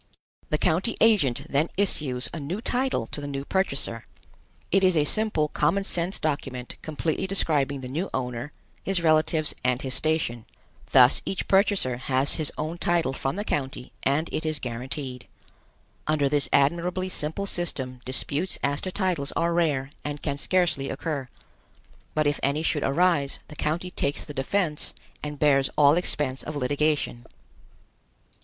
The county agent then issues a new title to the new purchaser. It is a simple common sense document completely describing the new owner, his relatives and his station. Thus each purchaser has his own title from the county and it is guaranteed. Under this admirably simple system disputes as to titles are rare and can scarcely occur; but if any should arise, the county takes the defense and bears all expense of litigation.